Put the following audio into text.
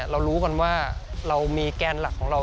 เรารู้กันว่าเรามีแกนหลักของเรา